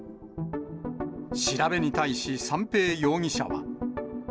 調べに対し、三瓶容疑者は。